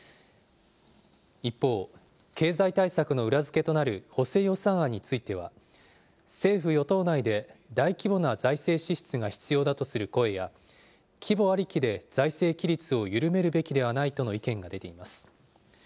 一方、経済対策の裏付けとなる補正予算案については、政府・与党内で大規模な財政支出が必要だとする声や、規模ありきで財政規律を緩めるべきではないとの意見が出ています。